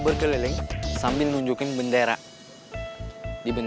sekarang squat jump